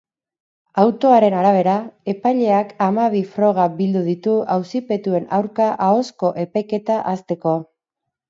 Autoaren arabera, epaileak hamabi froga bildu ditu auzipetuen aurka ahozko epaiketa hasteko.